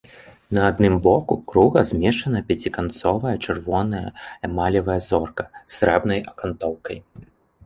На адным боку круга змешчана пяціканцовая чырвоная эмалевая зорка з срэбнай акантоўкай.